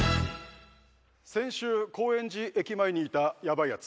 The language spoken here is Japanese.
先週高円寺駅前にいたやばいやつ。